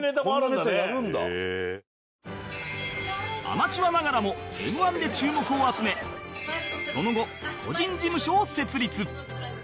アマチュアながらも Ｍ−１ で注目を集めその後個人事務所を設立